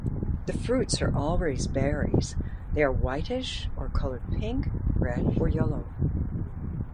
The fruits are always berries, they are whitish or coloured pink, red or yellow.